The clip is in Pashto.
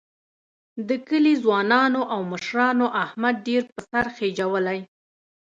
د کلي ځوانانو او مشرانو احمد ډېر په سر خېجولی